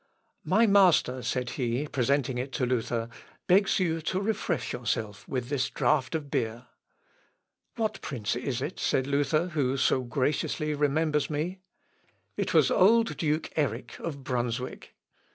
"My master," said he, presenting it to Luther, "begs you to refresh yourself with this draught of beer." "What prince is it," asked Luther, "who so graciously remembers me?" It was old Duke Erick of Brunswick.